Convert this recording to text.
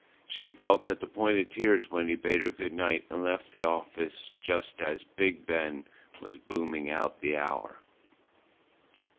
She felt at the point of tears when he bade her good night and left the office, just as Big Ben was booming out the hour.